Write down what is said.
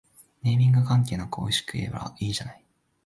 ネーミング関係なくおいしければいいじゃない